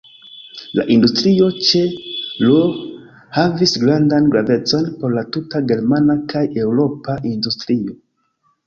La industrio ĉe Ruhr havis grandan gravecon por la tuta germana kaj eŭropa industrio.